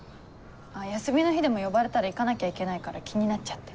休みの日でも呼ばれたら行かなきゃいけないから気になっちゃって。